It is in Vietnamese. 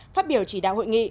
phát biểu chỉ đạo hội nghị